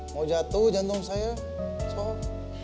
mau jatuh jantung saya sekolah